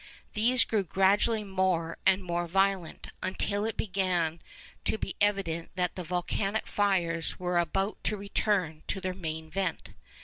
These grew gradually more and more violent, until it began to be evident that the volcanic fires were about to return to their main vent.